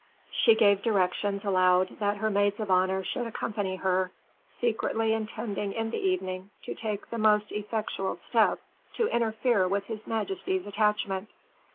She gave directions aloud that her maids of honor should accompany her, secretly intending in the evening to take the most effectual steps to interfere with his majesty's attachment.